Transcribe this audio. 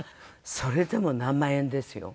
それでも何万円ですよ。